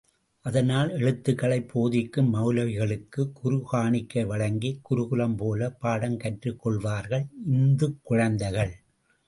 அதனால், எழுத்துக்களைப் போதிக்கும் மெளலவிகளுக்கு குரு காணிக்கை வழங்கிக் குருகுலம் போல பாடம் கற்றுக் கொள்வார்கள் இந்துக் குழந்தைகள்.